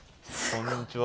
こんにちは。